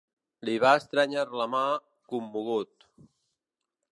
Li va estrènyer la ma, commogut